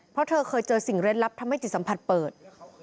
เพราะเธอเคยเจอสิ่งเล่นลับทำให้จิตสัมผัสเปิด